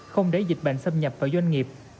không để dịch bệnh xâm nhập vào doanh nghiệp